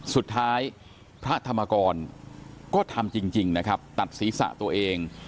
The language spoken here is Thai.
สุดท้ายพระธรรมกรก็ทำจริงนะครับตัดศีรษะตัวเอง